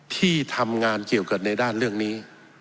ที่ทำงานเกี่ยวกับในด้านเรื่องนี้